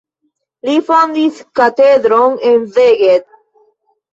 Li fondis katedron en Szeged.